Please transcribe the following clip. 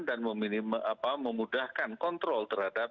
dan memudahkan kontrol terhadap